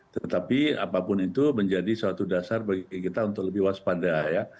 tetapi apapun itu menjadi suatu dasar bagi kita untuk lebih waspada ya